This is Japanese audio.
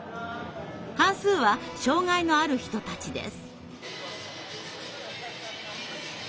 半数は障害のある人たちです。